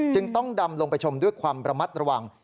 จึงต้องดำลงไปชมด้วยความระมัดระวัง